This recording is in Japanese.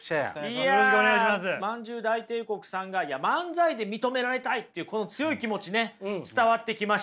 いやまんじゅう大帝国さんが漫才で認められたいという強い気持ちね伝わってきました。